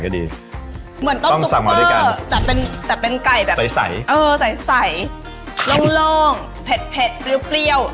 สูบไก่ก็ดีเหมือนต้นซูปเปอร์แต่เป็นไก่แบบใสเหลิงเผ็ดเบี้ยว